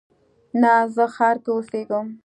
نه، زه ښار کې اوسیږم